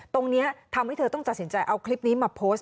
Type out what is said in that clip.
ตรงนี้ทำให้เธอต้องตัดสินใจเอาคลิปนี้มาโพสต์